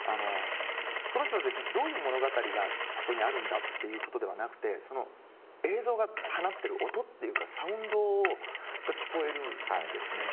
この人たちどういう物語がここにあるんだっていうことではなくてその映像が放ってる音というかサウンドが聞こえるんですね。